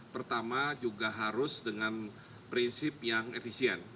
pertama juga harus dengan prinsip yang efisien